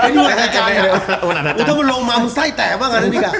ถ้าลงมามันใส่แตกบ้างกันอันนี้แหละ